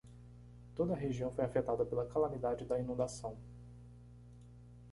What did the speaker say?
Toda a região foi afetada pela calamidade da inundação.